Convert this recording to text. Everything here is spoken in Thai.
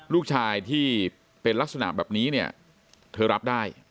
ลูกชายที่เป็นลักษณะแบบนี้เนี่ยเธอรับได้